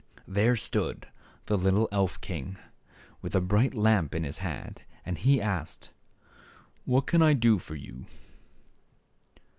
There stood the little elf king, with a bright lamp in his hand ; and he asked, " What can I do for you